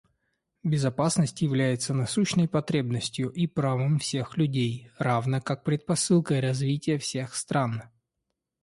Безопасность является насущной потребностью и правом всех людей, равно как предпосылкой развития всех стран.